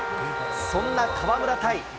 そんな河村対